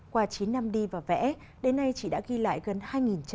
qua chín năm đi và vẽ đến nay chỉ đã ghi lại gần hai chân sung